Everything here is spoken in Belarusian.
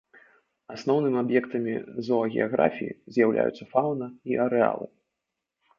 Асноўнымі аб'ектамі зоагеаграфіі з'яўляюцца фаўны і арэалы.